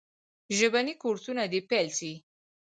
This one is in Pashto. ژبني کورسونه دي پیل سي.